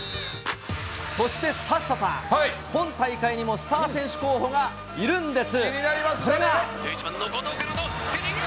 そしてサッシャさん、今大会にもスター選手候補がいるんです。